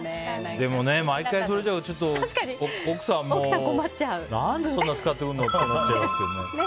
でも、毎回それじゃあ奥さんは何でそんなに使ってくるのって思っちゃいますけど。